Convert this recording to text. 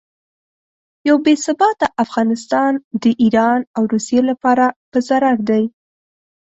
یو بې ثباته افغانستان د ایران او روسیې لپاره په ضرر دی.